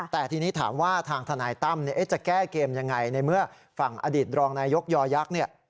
แต่ทีนี้ถามว่าทางทนายตั้มจะแก้เกมยังไงในเมื่อฝั่งอดีตรองนายยกยอยักษ์เนี่ย